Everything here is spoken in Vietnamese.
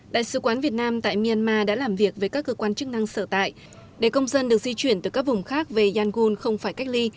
đại sứ quán việt nam tại myanmar đã làm việc với các cơ quan chức năng sở tại để công dân được di chuyển từ các vùng khác về yangon không phải cách ly